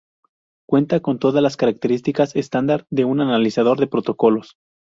Cuenta con todas las características estándar de un analizador de protocolos.